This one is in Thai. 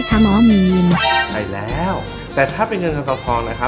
ท่ะหมอมีนได้แล้วแต่ถ้าเป็นเงินการทองทองนะครับ